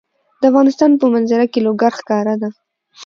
د افغانستان په منظره کې لوگر ښکاره ده.